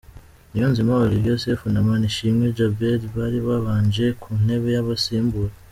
Niyonzima Olivier Sefu na Manishimwe Djabel bari babanje ku ntebe y’abasimbura.